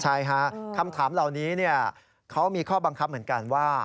ใช่ฮะคำถามเหล่านี้เขามีข้อบังคับเหมือนกันว่า